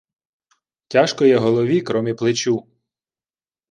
Тяжко є голові кромі плечу